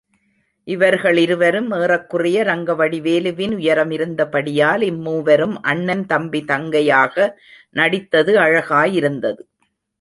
இவர்களிருவரும் ஏறக்குறைய ரங்கவடிவேலுவின் உயரமிருந்தபடியால், இம்மூவரும், அண்ணன், தம்பி, தங்கையாக நடித்தது அழகாயிருந்தது.